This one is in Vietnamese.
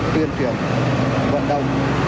khuyên truyền vận động